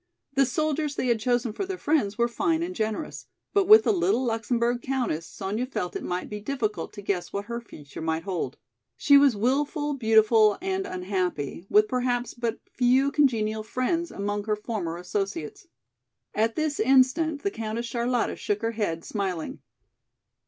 The soldiers they had chosen for their friends were fine and generous. But with the little Luxemburg countess, Sonya felt it might be difficult to guess what her future might hold. She was wilful, beautiful and unhappy, with perhaps but few congenial friends among her former associates. At this instant the Countess Charlotta shook her head, smiling.